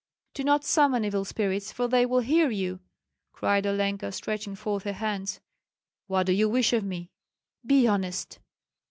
"Do not summon evil spirits, for they will hear you," cried Olenka, stretching forth her hands. "What do you wish of me?" "Be honest!"